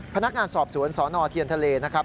พนักงานสอบสวนสนเทียนทะเลนะครับ